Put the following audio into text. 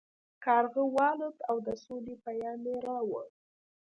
کارغه والوت او د سولې پیام یې راوړ.